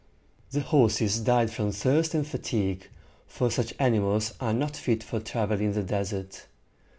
The horses died from thirst and fatigue, for such animals are not fit for travel in the desert.